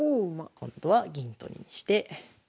今度は銀取りにして。